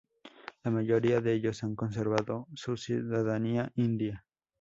La mayoría de ellos han conservado su ciudadanía india.